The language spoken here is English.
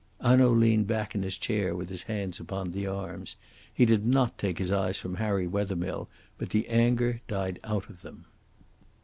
Hanaud leaned back in his chair with his hands upon the arms. He did not take his eyes from Harry Wethermill, but the anger died out of them.